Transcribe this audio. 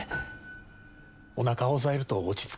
おなかを押さえると落ち着くのよ。